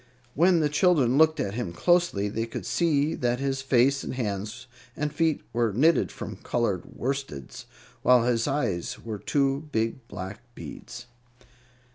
When the children looked at him closely, they could see that his face and hands and feet were knitted from colored worsteds, while his eyes were two big black beads.